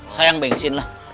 sayang bengsin lah